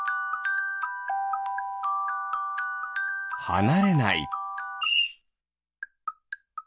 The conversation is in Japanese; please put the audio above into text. はなれない。